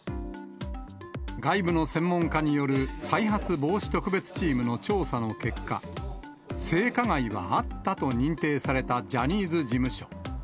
外部の専門家による再発防止特別チームの調査の結果、性加害はあったと認定されたジャニーズ事務所。